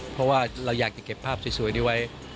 เพราะว่าเราอยากจะเก็บภาพสวยนี้ไว้